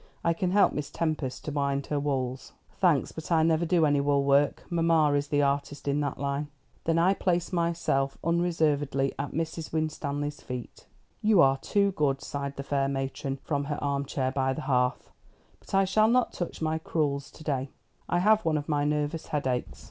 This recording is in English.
I can help Miss Tempest to wind her wools." "Thanks, but I never do any wool work. Mamma is the artist in that line." "Then I place myself unreservedly at Mrs. Winstanley's feet." "You are too good," sighed the fair matron, from her arm chair by the hearth; "but I shall not touch my crewels to day. I have one of my nervous headaches.